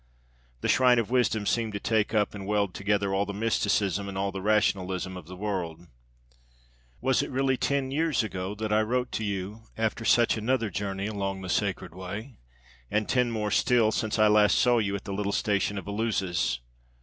The Shrine of Wisdom seemed to take up and weld together all the mysticism and all the rationalism of the world. Was it really ten years ago that I wrote to you after such another journey along the Sacred Way? And ten more still since I last saw you at the little station of Eleusis?